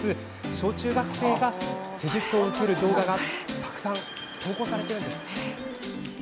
小中学生が施術を受ける動画がたくさん投稿されているんです。